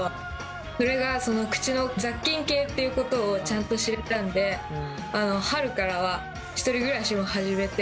それが口の雑菌系ってことをちゃんと知れたんであの春からは１人暮らしを始めて。